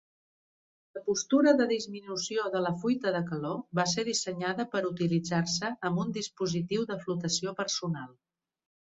La postura de disminució de la fuita de calor va ser dissenyada per utilitzar-se amb un dispositiu de flotació personal.